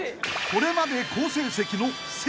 ［これまで好成績のせい松］